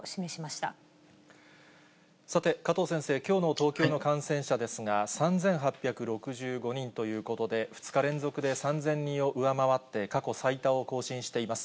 さて、加藤先生、きょうの東京の感染者ですが、３８６５人ということで、２日連続で３０００人を上回って、過去最多を更新しています。